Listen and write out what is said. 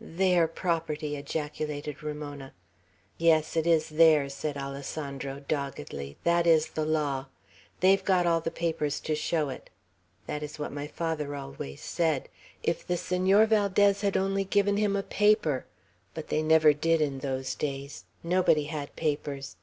"Their property!" ejaculated Ramona. "Yes; it is theirs," said Alessandro, doggedly. "That is the law. They've got all the papers to show it. That is what my father always said, if the Senor Valdez had only given him a paper! But they never did in those days. Nobody had papers.